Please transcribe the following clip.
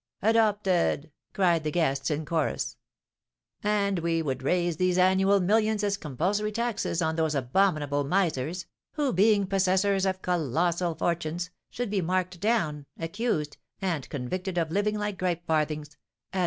"Adopted!" cried the guests in chorus. "And we would raise these annual millions as compulsory taxes on those abominable misers, who, being possessors of colossal fortunes, should be marked down, accused, and convicted of living like gripe farthings," added M.